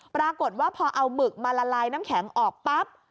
ปรากฏว่าพอเอาหมึกมาละลายน้ำแข็งออกปั๊บ